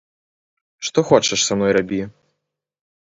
Што хочаш са мной рабі!